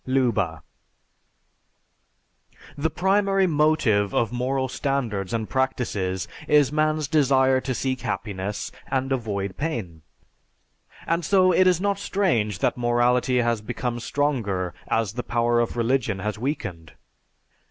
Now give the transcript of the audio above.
(Leuba.) The primary motive of moral standards and practices is man's desire to seek happiness and avoid pain. And so it is not strange that morality has become stronger as the power of religion has weakened.